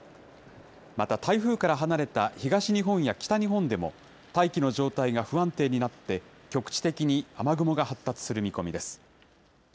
また台風から離れた東日本や北日本でも、大気の状態が不安定になって、局地的に雨雲が発達する見込みです。